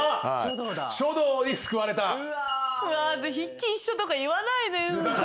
うわ筆記一緒とか言わないで。